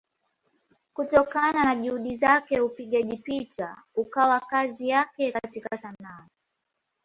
Kutokana na Juhudi zake upigaji picha ukawa kazi yake katika Sanaa.